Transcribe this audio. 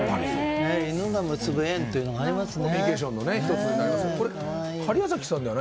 犬が結ぶ縁というのがありますね。